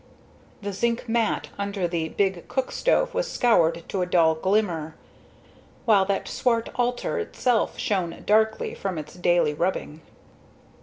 The zinc mat under the big cook stove was scoured to a dull glimmer, while that swart altar itself shone darkly from its daily rubbing.